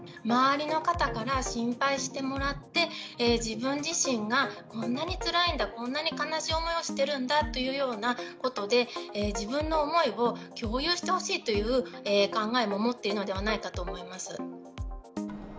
周りの方から心配してもらって、自分自身がこんなにつらいんだ、こんなに悲しい思いをしてるんだっていうようなことで、自分の思いを共有してほしいという考えも持っているのではないかと思います。